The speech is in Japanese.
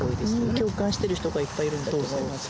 共感してる人がいっぱいいるんだと思います。